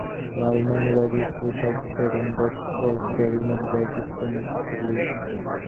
While many riders still participate in both sports, they remain very distinct activities.